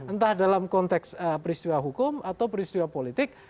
entah dalam konteks peristiwa hukum atau peristiwa politik